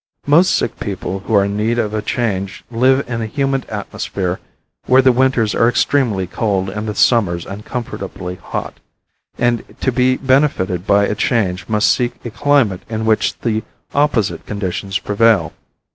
Most sick people who are in need of a change live in a humid atmosphere where the winters are extremely cold and the summers uncomfortably hot, and to be benefited by a change must seek a climate in which the opposite conditions prevail.